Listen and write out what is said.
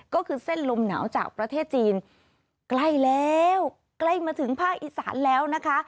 ก็คือเส้นลมหนาวจากประเทศจีนใกล้แล้วใกล้มาถึงภาคอีสานแล้วนะคะ